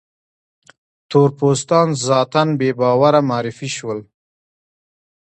تور پوستان ذاتاً بې باوره معرفي شول.